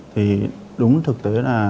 thì đúng thực tế là